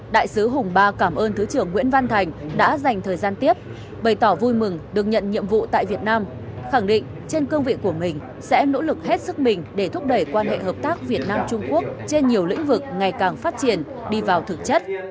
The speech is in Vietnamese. đại sứ hùng ba cảm ơn thứ trưởng nguyễn văn thành đã dành thời gian tiếp bày tỏ vui mừng được nhận nhiệm vụ tại việt nam khẳng định trên cương vị của mình sẽ nỗ lực hết sức mình để thúc đẩy quan hệ hợp tác việt nam trung quốc trên nhiều lĩnh vực ngày càng phát triển đi vào thực chất